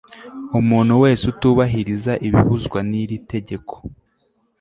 umuntu wese utubahiriza ibibuzwa n iritegeko